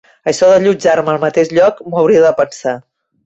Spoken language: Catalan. Això d'allotjar-me al mateix lloc m'ho hauria de pensar.